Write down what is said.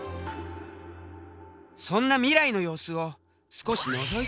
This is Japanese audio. そんな未来の様子を少しのぞいてみよう。